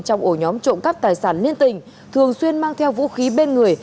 trong ổ nhóm trộm cắp tài sản liên tình thường xuyên mang theo vũ khí bên người